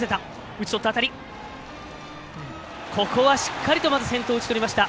ここはしっかりと先頭打ち取りました。